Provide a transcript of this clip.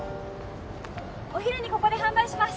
お昼にここで販売します